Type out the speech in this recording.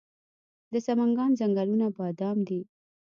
د سمنګان ځنګلونه بادام دي